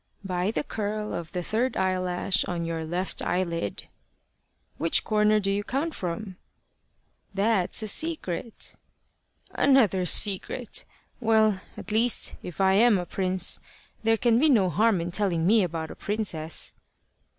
"By the curl of the third eyelash on your left eyelid." "Which corner do you count from?" "That's a secret." "Another secret? Well, at least, if I am a prince, there can be no harm in telling me about a princess."